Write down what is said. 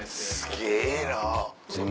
すげぇな。